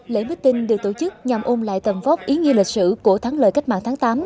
lễ meeting được tổ chức nhằm ôm lại tầm vóc ý nghĩa lịch sử của thắng lợi cách mạng tháng tám